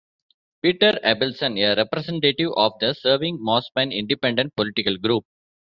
Peter Abelson, a representative of the Serving Mosman independent political group.